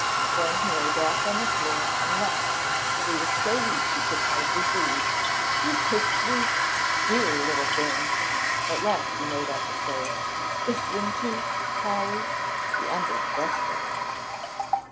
Then he lay back on the floor and laughed till he was so weak he could hardly breathe. "He's a sweet dear little thing " at last he made out to say, "isn't he Polly?" he ended gustily.